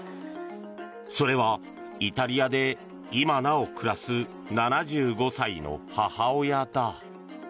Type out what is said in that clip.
それは、イタリアで今なお暮らす７５歳の母親だ。